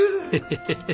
ヘヘヘヘ。